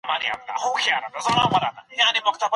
د وخت په تېرېدو سره څېړندود بدلون موندلی دئ.